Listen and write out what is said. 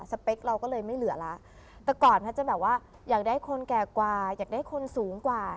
เปคเราก็เลยไม่เหลือแล้วแต่ก่อนแพทย์จะแบบว่าอยากได้คนแก่กว่าอยากได้คนสูงกว่า